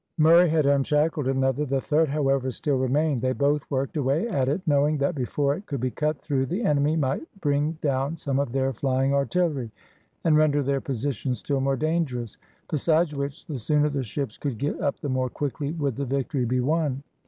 Murray had unshackled another; the third, however, still remained; they both worked away at it, knowing that before it could be cut through the enemy might bring down some of their flying artillery, and render their position still more dangerous; besides which, the sooner the ships could get up the more quickly would the victory be won.